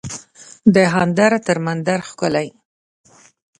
دهاندر تر مندر ښکلی